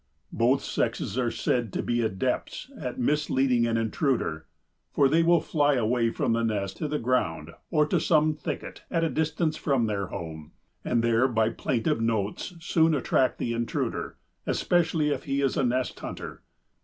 Both sexes are said to be adepts at misleading an intruder, for they will fly away from the nest to the ground or to some thicket at a distance from their home, and there by plaintive notes soon attract the intruder, especially if he is a nest hunter.